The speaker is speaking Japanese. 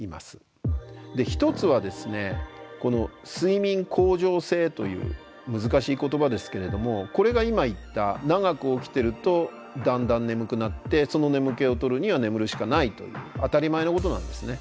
１つは睡眠恒常性という難しい言葉ですけれどもこれが今言った長く起きてるとだんだん眠くなってその眠気をとるには眠るしかないという当たり前のことなんですね。